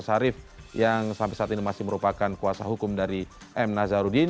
sarif yang sampai saat ini masih merupakan kuasa hukum dari m nazarudin